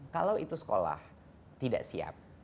kalau itu sekolah tidak siap